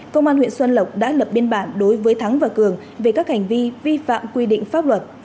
công an huyện xuân lộc đã lập biên bản đối với thắng và cường về các hành vi vi phạm quy định pháp luật